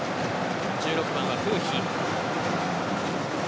１６番はフーヒ。